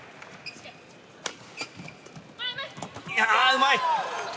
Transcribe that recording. うまい！